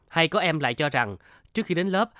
hay có em lại cho rằng trước khi đến lớp